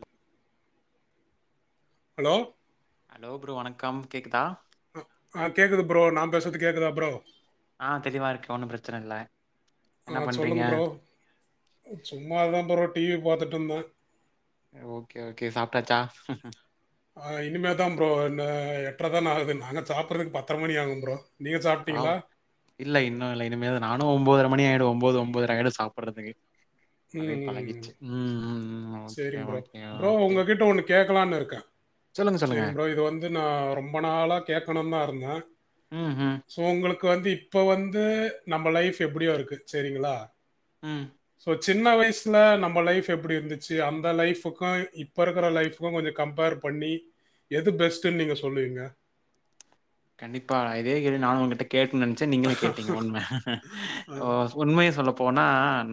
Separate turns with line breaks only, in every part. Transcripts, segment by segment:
ல்ல
hello
hello bro வணக்கம் கேக்குதா
ஹ ஆஹ கேக்குது ப்ரோ நான் பேசுறது கேக்குதா ப்ரோ
ஆ தெளிவா இருக்கு ஒன்னும் பிரச்சன இல்ல என்ன
ஆஹ்
பண்றீங்க
சொல்லுங்க ப்ரோ சும்மா தான் பரோ டிவி பாத்துட்டு டும்போல
ஓகே ஓகே சாப்ட்டாச்சா ஹும் ஹும்
ஆ இனிமே தான் ப்ரோ இன்ன எட்டர தான ஆகுது நாங்க சாப்பிட்றதுக்கு பத்தர மணி ஆகும் ப்ரோ நீங்க
ஆம்
சாப்பிட்டீங்களா?
இல்ல இன்னு இல்ல இனிமேதான் நானும் ஒம்போதர மணி ஆயிடும் ஒம்போது ஒம்போதர ஆய்ரும் சாப்பிடறதுக்கு
உம் உம் ம்
ம் ஓகே
சேரி ப்ரோ
ஓகே
ப்ரோ
ஓகே
உங்ககிட்ட ஒண்ணு கேக்கலான்னு இருக்கேன்
சொல்லுங்க சொல்லுங்க
செரிங் ப்ரோ இது வந்து நா ரொம்ப நாளா கேட்கணுன் தான் இருந்தேன்
உஹம் உஹம்
ஸோ உங்களுக்கு வந்து இப்ப வந்து நம்ம லைஃப் எப்புடியோ இருக்கு செரிங்களா
உஹம்
ஸோ சின்ன வயுசுல நம்ம லைஃப் எப்புடி இருந்துச்சு அந்த லைஃபுக்கும் இப்பருக்கிற லைஃபுக்கும் கொஞ்ச கம்பர் பண்ணி எது பெஸ்ட்டுன்னு நீங்க சொல்லுவீங்க
கண்டிப்பா இதே கேள்வி நானு உன்கிட்ட கேட்குனும்னு நெனசேன் நீங்களே கேட்டீங்க உண்மை உண்மை சொல் போனா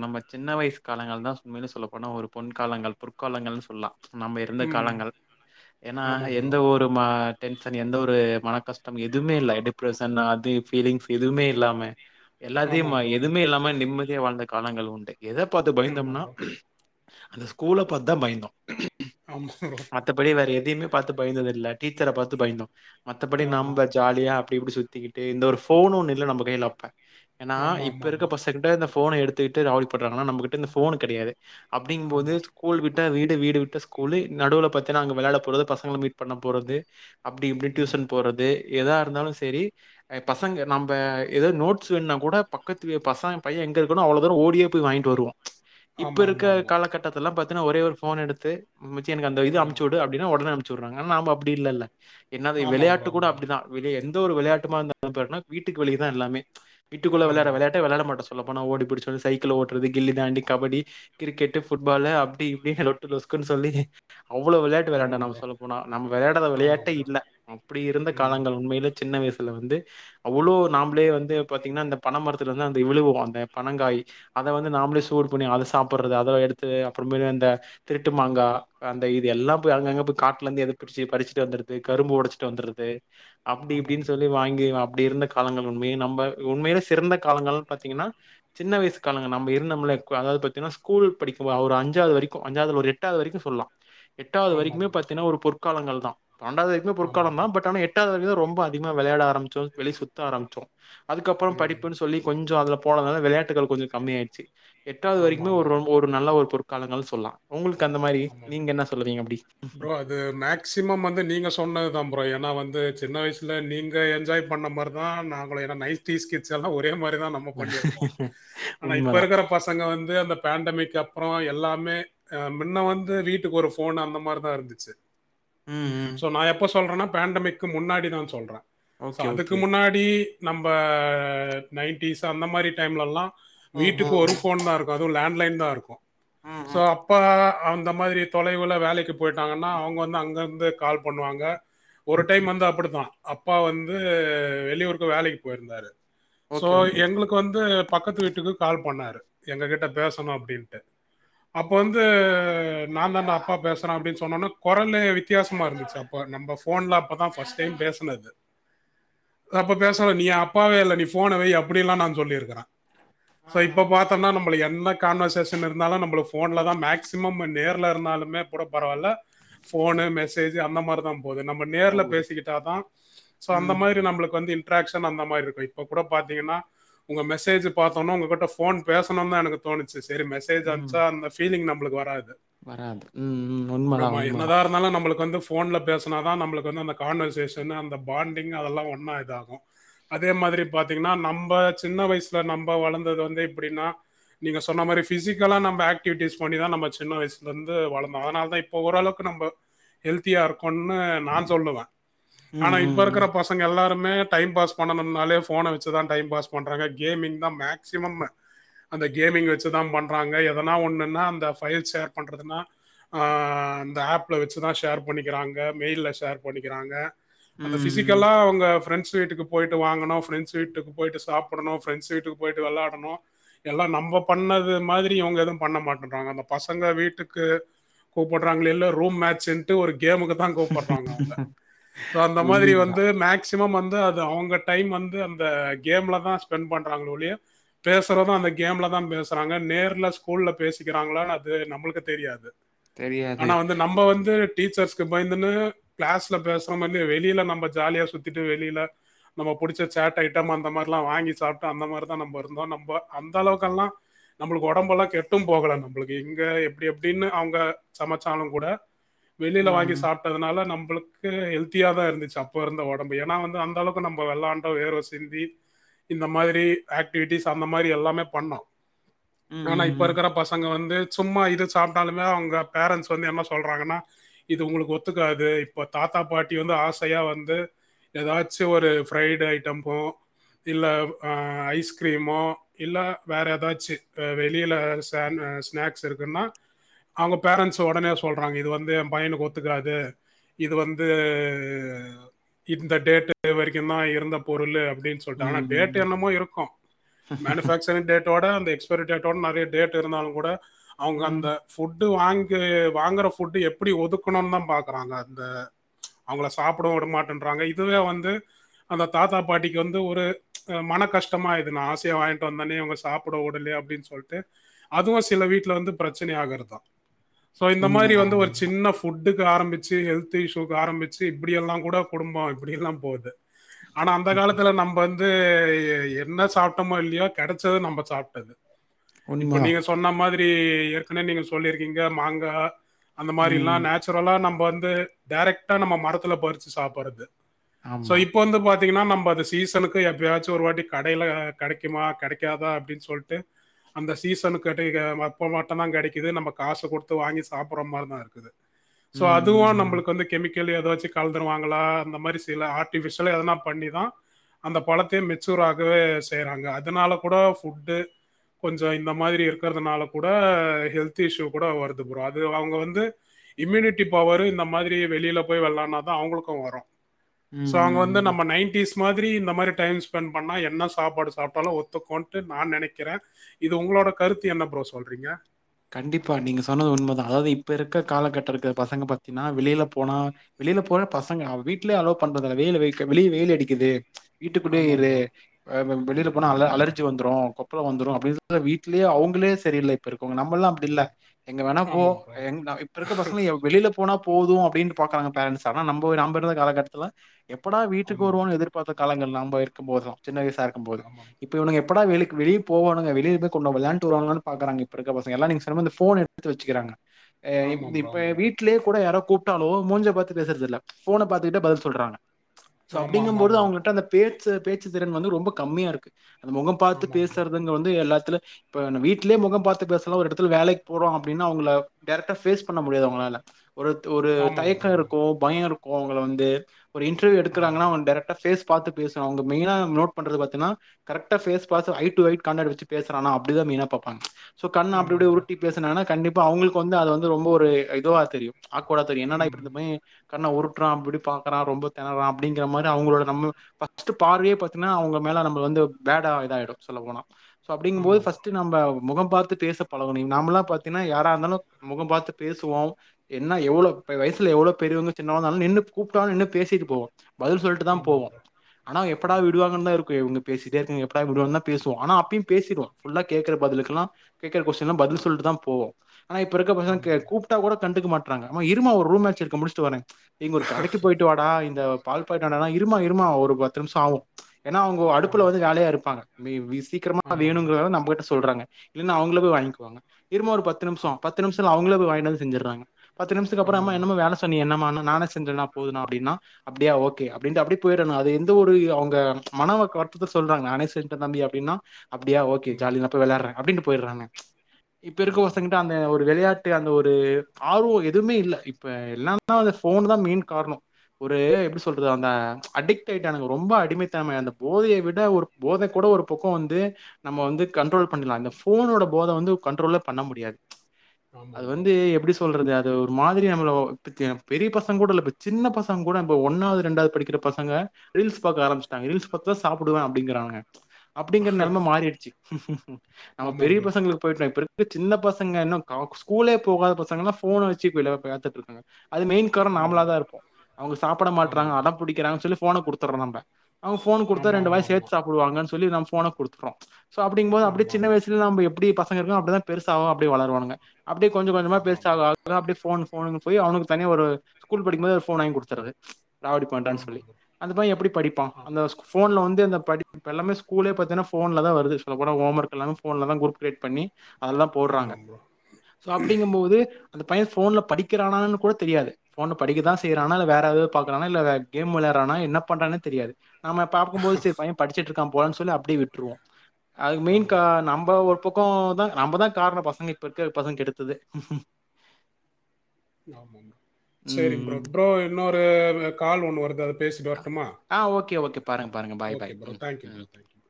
நம்ம சின்ன வயுசு காலங்கள் தான் உண்மைலே சொல்ல போனா ஒரு பொன்காலங்கள் பொற்காலங்கள்னு சொல்லாம் நம்ம இருந்த
ம்.
காலங்கள் ஏன்னா
ஆமாம் ப்ரோ.
எந்த ஒரு மா டென்சன் எந்த ஒரு மனக்கஷ் நம்ம எதுமே இல்ல டிப்ரஷன் அது ஃபீலிங்ஸ் எதுமே இல்லாம எல்லாத்தையும் மா
ஆமாம் ப்ரோ.
எதுமே இல்லாம நிம்ம வாழ்ந்த காலங்கள் உண்டு எத பாத்து
ஆமாம்
பயந்தோம்னா
ப்ரோ.
அந்த ஸ்கூலை பாத்துதான் பயந்தோம்
ஆமா ப்ரோ.
மத்தபடி வேற எ எதையுமே பாத்து பயந்ததுல்ல டீச்சர பாத்து பயந்தோம் மத்தபடி நாம்
ஆமா.
ஜாலியா அப்டி இப்டி சுத்திக்கிட்டு எந்த ஒரு போனு ஒன்னு இல்ல நம்ம கையில அப்ப ஏன்னா இப்ப இருக்க
ஆமாமாமா.
பசங்கிட்ட இந்த போன எடுத்துக்கிட்டு ரவுளி படுறா நம்மகிட்ட இந்த போனு கெடையாது அப்படிங்கும்போது
ஆமா.
ஸ்கூல் விட் வீடு வீடு விட்டா ஸ்கூலு நடுவுல பாத்தின்னா அங்க வெளையாட போறது பசங்கள மீட் பண்ண போறது அப்டி இப்டி
ம்.
டியூஷன் போறது எதா இருந்தாலும் செரி பசங்க நம்ப ஏதாவது நோட்ஸ் வேணுனா கூட பக்கத்து பசங்க பையன் எங்க இருக்கணும் அவ்வளோ தூரம் ஓடியே போய் வாங்கிட்டு வருவோம் இப்ப இருக்க
ஆமாமாமா.
காலகட்டத்த எல்லா ப ஒரே ஒரு போன் எடுத்து மச்சி எனக்கு அந்த இத
ஆமா.
அமுச்சு விடு அப்பிடின்னா உடனே சொல்றாங்க நாம அப்டி இல்ல என்னாது
ஆமாம்
விளையாட்டு கூட
ஆமாம்
அப்டிதான் எந்த ஒரு விளையாட்டுமாறனா வீட்டுக்கு வெளிதா எல்லாமே வீட்டுகுள்ள விளையாற விளையாட்ட விளையாடமாட்டோம் சொல்ல னா ஓடி பிடிச்ச சொ சைக்கிள் ஓட்டுறது கில்லி தாண்டி கபடி கிரிக்கெட் புட்பால் அப்டி இப்டி லொட்டு லொஸ்கன்னு சொல்லி அவ்ளோ விளையாட்டு விளையாண்ட
ஆமாம் ப்ரோ. ஆமாம் ப்ரோ. ஆமா. ஆமாம்
நம்ம
ப்ரோ.
சொல்ல போனா நம்மவிளையாடத
ஆமாம்
விளையாட்டே
ப்ரோ.
இல்ல அப்டி இருந்த
ம்.
காலங்கள் உண்மையில்லே சின்ன வயசு ல வந்து அவ்வளோ நாமளே வந்து பாத்தீங்கன்னா இந்த பனைமரத்துல வந்து அந்த விழுவோம் அந்த பனங்காய் அதை வந்து நாமமளே சூடு பண்ணி அதை சாப்பிடுறது அத எடுத்து அப்புற அந்த திருட்டு மாங்காய் அந்த இது எல்லாம் போய் அங்கங்க போய் காட்டுல இருந்து பிரச்சு பறிச்சுட்டு வந்துறது கரும்பு உடைச்சிட்டு வந்துது அப்டி
ஆமாம்
இப்டின்னு
ப்ரோ.
சொல்லி வாங்கி அப்டி இருந்த காலங்கள் உண்மை நம்ப உண்மையில சிறந்த காலங்கள் பாத்தீங்கன்னா சின்ன வயசு காலங்கள் நூல் படிக்கும் அஞ்சாவது வரைக்கும் எட்டாவது வரைக்கு சொல்லலாம் எட்டாவது
ஆமாம்
வரைக்குமே
ப்ரோ.
பாத்தீன்னா ஒரு பொறு காலங்கள் தான் பண்ண்டாவது வரைக்குமே
ஆமாம்
பொற்காலம்
ப்ரோ.
தான் பட் ஆனா எட் ரொம்ப அதிகமா விளாட ஆரம்பிச்சோம் வெளி சுத்த ஆரம்பச்சோம் அதுக்கப்புறம்
ம்.
படிப்புன்னு சொல்லி கொஞ்சம் அதுல போனனால விளையாட்டுகள் கொஞ்சம் கம்மி ஆயிடுச்சு எட்டாவது வரைக்குமே ஒரு
ஆமாமாமா.
ஒரு நல்ல ஒரு பொரு காலங்கள் சொல்லா உங்களுக்
ஆமா ப்ரோ அது மேக்சிமம் வந்து நீங்க சொன்னதா ப்ரோ ஏன்னா வந் து சின்ன வயசுல நீங்க என்ஜாய் பண்ண மாரிதா நாங்களு நைடிஸ் டீஸ் கிட்ஸ் எல்லா ஒ தே மாரிதா நம்ம பண்ணியிருப்போ ஆனா இப்ப
உண்மதான்
இருக்கிற பசங்க வந் இந்து அந்த பேண்டமிக் அப்புறோ எல்லாமே ஆ பின்ன வந்து வீட்டுக்கு ஒரு ஃபோன் அந்த மாரிதா இருந்துச்சி
ம் ம்
சோ நா எப்பஸ் சொல்றன்னா பேண்டமிக்கு முன்னாடிதா சொல்றே சோ
ஓகே
அதுக்கு
ஓகே
முன்னாடி நம்ப நைன்ட்டீஸ் அந்த மாரி டைம்ல்லா
ம்
வீட்டுக்கு
ம்
ஒரு ஃபோன்தா இருக்கு அது லேண்ட் ன்லைதா இருக்கு
ம்
சோ
ம்
அப்பா அந்த மாரி தொலைவில வேலைக்கு போயிட்டாங்கன்னா அவுங்க வந்து அங்கருந்து கால் பண்ணுவாங்க ஒரு டைம் வந்து அப்பிடித்தா அப்பா வந்து வெளியூருக்கு வேலைக்கு போயிருந்தாரு சோ
ஓகே ஓகே
எங்களுக்கு வந்து பக்கத்து வீட்டுக்கு கால் பண்ணாரு எங்க கிட்ட பேசணு அப்பிடின்ட்டு அப்ப வந்து அ நா தாடா அப்பா பேசுறே அப்பிடின் சொன்னோன கொரலு வித்தியாசமா இருந்துச்சி அப்ப நம்ம ஃபோன்ல அப்பதா ஃபஸ்ட் டைம் பேசனது அப்ப பேசலா நீ அப்பாவே இல்ல நீ ஃபோன வை அப்பிடி எல்லா நா சொல்லிருக்கிறே சோ இப்ப பாத்தம்னா நம்ம என்ன கான்வர்சேஷன் இருந்தாலு நம்ல ஃபோன்லதா மேக்ஸ் நம்ம நேர்ல இருந்தாலுமே கூட பரவாயில்ல ஃபோன் மெசேஜ் த்து அந்த மாரிதா போது நம்ம நேர்ல
போகுது
பேசிக்கிட்டாதா சோ அந்த
ம்
மாரி நம்மளுக்கு வந்து இ ட்ராக்ஷன் அந்த மாரி இருக்கு இப்ப கூட பாத்தீங்கன்னா உங்க மெசேஜ் பாத்தோனா உகிட்ட ஃபோன் பேசணுதா எனக்கு தோணுது சே சேரி மெசேஜ்
ம்
அச்சா அந்த பீலின் நம் உங்களுக் வ
வராது உம் உம் உண்மைதான் உண்மைதான்
போன்ல பேசனா தா நம்மளுக்கு வந்து அந்த கான்வசேஷனு அந்த பாண்டிங் அதெலாம் ஒன்னா இதாகும் அதே மாரி பாத்தீங்கனா நம்ம சின்ன வயசல நம்ம வளந்தது வந்து இப்படினா நீங்க சொன்னமாரி பிசிகலா நம ஆக்டிவிடிஸ் பண்ணிதா நம சின்ன வயசுல இருந்து வளந்த அதனால தான் இப்ப ஓரளவுகு நம்ம ஹெல்தியா இரு கொனு நான் சொல்லுவேன்
ம்
ஆனா இப்ப
ம்
இருக்கிற
ம்
பசங்க எல்லாரும் மே டைம் பாஸ் பண்ணுனாலோ போன வச்சு தா டைம் பாஸ் பண்றாங்க கேமிங்தா மேக்ஸிமும் அந்த கேமிங் வச்சு தான் பண்றாங்க எதுனா ஒன்ணுனா அந்த ஃபயல் ஷேர் பண்றதுனா இந்த ஆப்ல வச்சு தா ஷேர் பண்ணிகிறாங்க மெயில ஷேர் பண்ணிகிறாங்க அந்த
ம்
பிசிகலா அவங்க பிரெண்ஸ் வீட்டுக்கு போயிட்டு வாங்கணும் பிரண்ஸ் வீட்டுக்கு போயிட்டு சாப்பிடணும் வீட்டுக்கு போயிட்டு விளாடணும் எல்லா நம்ம பண்ணது மாரி இவங்க எதுவும் பண்ண மாட்றாங்க பசங்க வீட்டுக்கு கூப்பிடுறாங்கள இல்ல ரூம் மேட்சடு ஒரு கேமுக்கு தான் கூப்பறாங்க அவங்க சோ அந்த மாரி வந்து
உண்மதான்
மேக்ஸி வந்து அது அவங்க டைம் வந்து அந்த கேம்ல தா ஸ்பெண்ட் பண்றாகள ஒலிய பேசுறது அந்த கேம்ல தான் பேசுறாக நேர்ல ஸ்கூல பேசிகிறாங்களா அது நம்மளுக்கு தெரியாது
தெரியாது
ஆனா வந்து நம்ம வந்து டீச்சர்ஸ்கு பயந்துனு கிளாஸ்ல பேசுற மாரியே வெளியில நம்ம ஜாலியாக சுற்றிட்டு வெளியில நம்ம புடிச்ச சேட் ஐடம் அந்த மாரிலாம் வாங்கி சாப்பிட்டு அந்த மாரி தான் நாம இருந்தோம் நாம அந்த அளவுகுலா நம்மளுக்கு க உடம்பெலாம் கெட்டு போகல நம்மளுக்கு இங்க எப்படி எப்படினு அவங்க சமச்சாலும் கூட வெளில
ம்
வாங்கி
ம்
சாபிடதுனால நம் நம்மளுக்கு ஹெல்தியா தான் இருந்துச்சு அப்ப இருந்த ஒடம்பு ஏனா வந்து அந்த அளவுகு நம்ம விளாண்டோம் வேர்வ சிந்தி இந்த மாரி ஆக்டிவிடிஸ் அந்த மாரி எல்லாமே பண்ணோம்
ம்
ஆனா இப்ப
ம்
இருக்குற பசங்க வந்து சும்மா இது சாப்பிடாலுமே அவங்க பேரன்ஸ் வந்து என்ன சொல்றாகனா இது உங்களுக்கு ஒத்துகாது இப்போ தாத்தா பாட்டி வந்து ஆசையா வந்து ஏதாசும் ஒரு பிரைட் ஐடமோ இல ஐஸ்கிரீமோ இல்ல வேற ஏதாச்சும் வெளில ஸ்நாக் இருக்குனா அவங்க பேரன்ஸ் ஒடனே சொல்றாங்க இது வந்து என் பையனுக்கு ஒத்துகாது இது வந்து இந்த டேட் வரைக்குதான் இருந்த பொருளு அப்படினு சொல்ல ஆனா டேட்
ம்
என்னமோ இருக்கும் மேனுபக்சரிங் டேடோட அந்த எக்ஸ்பைரி டேடோட நெறய டேடோ இருந்தால கூட அவங்க
ம்
அந்த புட் வாங்கி வாங்கற புட் எப்படி ஒத்துகணுதா பாகுறாக அந்த அவங்கள சாப்பிட விடவமாட்டேறாங்க இதுவே வந்து அந்த தாத்தா பாட்டிகு வந்து ஒரு மன கஷ்டமாகுது நான் ஆசைய வாங்கிட்டு வந்தனே இவங்க சாபிடவுடல அப்படினு சொல்லிட்டு அதுவும் சில வீட்டு வந்து பிரச்சனை ஆகாதா சோ இந்த மாரி
உண்மதா
வந்து ஒரு
உண்மதா
சின்ன புட் எதுக்கு ஆரம்பிச்சு ஹெல்த் இஷயூவுகு ஆரம்பிச்சா இப்படியலா கூட குடும்ப இப்படியெலாம் போகுது ஆனா அந்த காலத்துல நம்ம வந்து வந்து என்ன சாப்பிடமோ இல்லயோ கிடைச்சது நாம சாப்பிடது இப்ப
உண்மதா
நீங்க சொன்ன மாரி ஏற்கனவே நீங்க சொல்லிருகீங்க மாங்கா அந்த மாரிலாம்
ம்
நேசுரலா நம்ம இப்போ வந்து டேரைக்டா நம்ம மரத்துல பறிச்சி சாப்பறது சோ
ஆமா
இப்ப வந்து பாத் த்திங்கனா நம்ப அது சீசனுகு எப்பயாசு ஒரு வாட்டி கடையில கெடைகுமா கெடைகாதா அப்பிடின் சொல்ட்டு அந்த சீசனுகு எட்டேக்க மாத் போ மாட்டதா கெடைகுது நம காசு குடுத்து வாங்கி சாபிற மாரிதா இருகுது சோ
ம்
அதுவா
ம்
நமளுக்கு வந்து கெமிக க்கிலி எதாச்சி கலந்துருவாங்களா அந்த மாரி சில ஆர்டிபிஷ்யலா எதனா பண்ணி தா அந்த பலத்தையே மெச்சூர் ஆகவே செய்றாங்க அதனால கூட ஃபுட்டு கொஞ்ஜோ இந்த மாரி இருக்கிறதுனால கூட ஹெல்த் இஷ்யூ கூட வருது ப்ரோ அது அவுங்க வந்து இம்யூனிட்டி பவரு இந்த மாதிரி வெளியில போய் வெளானாதா அவுங்களுக்கு வரு
ம்
சோ
ம்
அவுங்க வந்து
ம் ம்.
நம்ம நைன்ட்டீஸ் மாதிரி இந்த மாரி டைம் ஸ்பெண்ட் பண்ணா என்ன சாப்பாடு சாப்ட்டாலு ஒத்துக்கோன்ட்டு நா நெனைக்கிறே இது உங்களோட கருத்து என்ன ப்ரோ சொ சொல்றீங்க
கண்டிப்பா நீங்க சொன்னது உண்ம தா அதாவது இப்ப இருக்க காலகட்ட இருக்ற பசங்க பாத்தீங்கன்னா வெளியில போனா வெளியில போற பசங்க அவ வீட்லே அலோ பண்ற வெயில் வெளிய வெயில் அடிக்குது வீட்டுக்குடே
ஆமாம்
இரு
ப்ரோ
ஆ ப ம் வெளியில போனா அல அலர்ஜி வந்துரு கொப்பளோ வந்துரு அப்பிடி சொல்லி வீட்லே அவுங்களே சரியில்ல இப்போ இருக் கோங்க நம்பலெல்லா அப்பிடி இல்ல எங்க வேணா போ
ஆமாம் ப்ரோ
எங் இப்ப இருக்க பசங்க வெளியில போ போனா போது அப்பிடின்ட்டு பாக்றாங்க பேரண்ட்ஸ் ஆனா நம்ம நம்ம இருந்த காலகட்டத்துல எப்படா வீட்டுக்கு
ஆமாம்
வருவோனு எதிர்பாத்து காலங்கள் நம்ப இருக்கு போதுதா சின்ன வயசா இருக்கு போது
ஆமாம்
இப்ப இவனுங்க எப்படா வெலுக்கு வெளிய போவானுங்க வெளியிருந்து கொண்ட விளாண்ட்டு வருவானுங்களானு பாக்றாங்க இப்ப இருக்க பசங்க எல்லா நீங்க சொன்ன மாரி இந்த ஃபோன் எடுத்து வெச்சிக்கிறானுங்க ஏ
ஆமாம் ப்ரோ
இப்ப
ஆமாம்
வீட்லே கூட யாரோ கூப் ட்டாலோ மூஞ்ச பாத்து பேசறதில்ல ஃபோன பாத்துகிட்டே பதில் சொல்றாங்க சோ அப்பிடிங்கும்போது அவங்கிட்ட அந்த பேர் ச்சி பேச்சி திறன் வந்து ரொம்ப கம்மியா இருக்கு அந்த முகம் பாத்து
ப்ரோ
பேசுறதுங்க வந்து எல்லாத்திலு இப்ப நா வீட்லே மொகம் பாத் த்து பேசலா ஒரு எடத்துல வேலைக்கு போறோ அப்பிடின்னா அவுங்கள டேரக்ட்டா பேஸ் பண்ண முடியாது அவுங்களால ஒருத் ஒரு
ஆமாம்
தயக்கோ
ஆமாம்
இருக்கு பயோ இருக் கோவங்கள் வந்து ஒரு இன்ட்ர்வியு எடுக்கராங்கனா
ஆமாம்
அவ டேரக்ட்டா பேஸ் பாத்து பேச அவுங்க மெயினா நோட் பண்றது பாத்தினா கரெக்ட்டா பேஸ் பாத்து ஐ டூ ஐ கான்டெக்ட் வெச்சி பேசுறானா தா அப்பிடி தா மெயினா பாப்பாங்க சோ கண்ண அப்பிடி
ஆமாம்
இப்பிடி
ப்ரோ
உருட்டி பேசனானா கண்டிப் இப்ப அவுங்களுக்கு வந்து அது வந்து ரொம்ப ஒரு இதுவா தெரியு ஆக்வாடா தெரியு என்னடா இப்டி இந்த பைய கண்ணா உருட்றா அப்டி பாக்றா ரொம்ப தெனர்ரா அப்டிங்கிற மாரி அவங்களோட நம்ம ஃபர்ஸ்ட் பார்வையே பாத்தீங்கன்னா அவங்க மேல நம்ம வந்து பேடா இது ஆயிடு சொல்ல போனா சோ அப்டிங்கும்போது
ஆமாம் ப்ரோ ஆமாம்
ஃபஸ்ட்டு நம்ம முகம் பாத்து பாத்து பேச பலகனு நாமெல்லா பாத்தீன்னா யாரா இருந்தாலு முகம் பாத்து பேசுவோ என்ன எவ்ளோ வயசுல எவ்ளோ பெரிவங்க சின்னவுங்க இருந்தாலு நின்னு கூப்டாலு நின்னு பேசிட்டு போவோ பதில் சொல்ட்டு தா
ப்ரோ ஆமாம் ப்ரோ ஆமாம் ப்ரோ ம் ஆமாம்
போவோ
ப்ரோ
ஆனா எப்படா
ஆமாம் ப்ரோ
விடுவாங்கன்னு தா இருக்கு இவிங்க பேசி எப்படா விடுவாங்கனு தா பேசுவோ ஆனா அப்பயு பேசடுவோ ஃபுல்லா கேக்குற பதிலுகெல்லா கேக்ற கொஸ்டின்ல்லா பதில் சொல்லிட்டு தா போவோ ஆன இப்ப இருக்க பசங் க
ஆமாம் ப்ரோ
கூப்ட்டா கூட கண்டுக்கமாட் ன்றாங்கஅவ இருமா ஒரு ரூமேச் இருக்க முடிச்சிட்டு வர நீங்க ஒரு கடைக்கு போயிட்டு வாடா இந்த பால் பாக்கெட்வான்ட்வாடானா இருமா இருமா ஒரு பத்து நிமிஷோ ஆவு ஏன்னா அவங்க அடுப்புல வந்து வேலையா இருப்பாங்க சீக்கிரமா
ஆமாம் ப்ரோ
வேணுங்கிறத நம்ம கிட்ட சொல்றாங்க இல்லைன்னா அவங்கள போய் வாங்கிக்குவாங்க இருமா ஒரு பத்து நிமிஷோ
ஆமாம்
பத்து நிமிஷோல அவங்களே போய் வாங்கிட்டு வந்து செஞ்சிறாங்க பத்து நிமிஷத்துக்கு
ஆமாம் ப்ரோ ஆமாம்
அப்புறம்மா
ஆமாம் ப்ரோ
என்னம்மா வேல சொன்னியே என்னமா நானே செஞ்சேன்னா போதுன்டா அப்படின்னா அப்படியா ஓகே அப்படின்ட்டு அப்படி போயிட்டனு அது எந்த ஒரு அவங்க மனவ வருத்தத்த சொல்றாங்க நானேசெய்திரே தம்பி அப்டின்னா அப்டியா ஓ கே
ம்
ஜாலி நா போயி விளாடுரே அப்டின்டு போய்டுறாங்க இப்போ இருக்குர
ஆமாம் ப்ரோ
பசங்கிட்ட அந்த ஒரு வெளயாட் ட்டு அந்த ஒரு ஆர்வோ எதுமே இல்ல இப்ப என்னனா அந்த ஃபோன் தா மெயின் காரண ஒரு எப்டி சொல்றது அந்த அடிட்க் ஆய்டானுங்க ரொம்ப அடிமைத்தனம அந்த போதைய விட போத கூட ஒரு பக்கோ வந்து நம்ம வ கண்ட்ரோல் பண்நிர்லா ஃபோனோட போத வந்து கண்ட்ரோலே பண்ண முடியாது அது
ஆமாம் ப்ரோ
வந்து எப்டி சொல்றது அந் ஒரு மாதிரி நம்மல பெரிய பசங்க கூட இல்லப்ப சின்ன பசங்க கூட இ ஒன்னாவது ரெண்டாவது படிக்கிற பசங்க ரீல்ஸ் பாக்க ஆரம்பிச்சுட்டாங்க ரீல்ஸ் பாத்தா சாப்பிடுவே அப்டிங்கிறாங்க அப்டிங்கற நெலம மாறிடுச்சு ஹு ம் ஹு ம் நம்ம
ஆமாம்
பெரிய
ப்ரோ
பசங்களுக்கு போய்டோ இப்பருக் சின்ன பசங்க இன்னு க ஸ்கூலே போகாத பசங்க எல்லா ஃபோன வச்சு விளையா பாத்துட்ருக்காங்க அது மெயின் காரணோ
ஆமாம்
நாமளா தா
ப்ரோ
இருக்கு அவங்க சாப்பிட மாட்றாங்க
ஆமாம் ப்ரோ ஆமாம்
அடம் பிடிக்கிறாங்கன்னு சொல்லி போன குடுத்துறோ நம்ம அவுங்க ஃபோன் குடுத்த ரெண்டு
ஆமாம்
வாய்
ஆமாம்
சேத்து சாப்புடுவாங்கனு சொ சொல்லி நம்ம ஃபோன குடுத்துட்றோ சோ அப்பிடிங்போது அப்பிடியே
ஆமாம்
சின்ன
ஆமாம்
வயசுல இப்ப எப்பிடி பசங்க இருக்கு அப்பிடிதா பெருசாவு அப்பிடி வளருவாங்க அப்பிடியே கொஞ்ச கொஞ்சமா
ஆமாம்
பெருசா
ப்ரோ
ஆக ஆக அப்படியே ஃபோன் ஃபோனு போய் அவுனுக்கு தனியா ஒரு ஸ்கூல் படிக்கு போது ஒரு ஃபோன் வாங்கி குடுத்தறது ராடி பண்றான் சொல்லி
ஆமாம் ப்ரோ
அந்த பைய எப்பிடி படிப்பா
ஆ
அந்த ஸ் ஃபோன்ல வந்து து இந்த படிப்ப எல்லாமே ஸ்கூலே பாத்தீங்கன்னா ஃபோன்லதா வருது சொல்ல போன ஹோம் ஒர்க் எல்லா ஃபோன்ல தா குரூப் கியரேட் பண்ணி அதலா போடறாங்க
ஆமாம் ப்ரோ
சோ அப்பிடிங்கு மோது அந்த பைய ஃபோன்ல படிக்கிறான்னு கூட தெரியாது ஃபோன்ல படிக்கதா செய்யறானா இல்ல வேற ஏதாவது பார்குறானா இல்ல கேம் வெளையாறானா என்ன பண்றானு தெரியாது நாம பாக்கு போது சேரி பைய படிச்சிட்டு இருக்கா போலன் சொல்லி அப்பிடியே விட்டுருவோ அதுக்கு
ஆமாம் ப்ரோ
மெயின்கான் ஒரு பக்கோதா நம்மதா காரணம் பசங்க இப்ப இருக்க பசங்க கெடுத்தது
ஆமா ப்ரோ சேரி ப்ரோ
ம்
ப்ரோ இன்னொரு கால் ஒன்னு வருது அத பேசிட்டு வரட்டுமா
ஆ ஓகே ஓகே பாருங்க பாருங்க பாய் பாய்
ஓகே ப்ரோ
ம்
தேங்க்யூ
ம்
ப்ரோ தேங்க்யூ